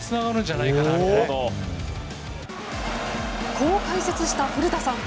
こう解説した古田さん。